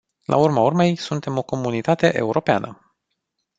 La urma urmei, suntem o comunitate europeană.